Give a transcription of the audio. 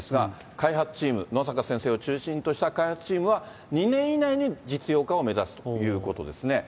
開発チーム、野阪先生を中心とした開発チームは、２年以内に実用化を目指すということですね。